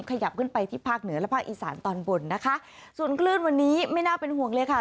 ขยับขึ้นไปที่ภาคเหนือและภาคอีสานตอนบนนะคะส่วนคลื่นวันนี้ไม่น่าเป็นห่วงเลยค่ะ